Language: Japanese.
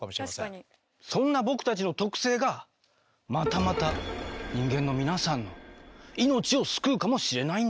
そんな僕たちの特性がまたまた人間の皆さんの命を救うかもしれないんだＧ。